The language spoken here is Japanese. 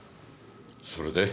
それで？